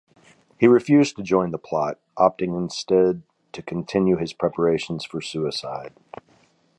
He refused to join the plot, opting instead to continue his preparations for suicide.